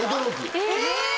え！